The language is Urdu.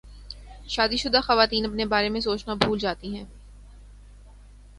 شادی شدہ خواتین اپنے بارے میں سوچنا بھول جاتی ہیں